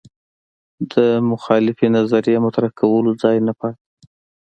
د مخالفې نظریې مطرح کولو ځای نه پاتې